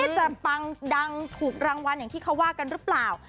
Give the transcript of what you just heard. จะปังดังถูกรางวัลอย่างที่เขาว่ากันหรือเปล่า